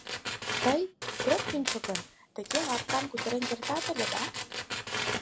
Тый от кӱнчӧ гын, тыге лапкан кутырен кертат ыле, да?!